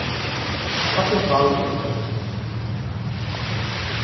Couple of hours after.